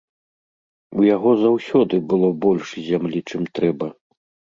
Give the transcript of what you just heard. У яго заўсёды было больш зямлі, чым трэба.